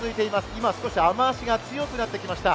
今、少し雨脚が強くなってきました